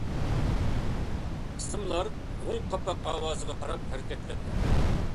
قىسىملار غوڭ قاپاق ئاۋازىغا قاراپ ھەرىكەتلەنگەن.